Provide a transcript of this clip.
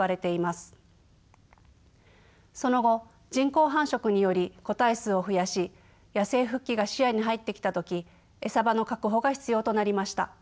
その後人工繁殖により個体数を増やし野生復帰が視野に入ってきた時餌場の確保が必要となりました。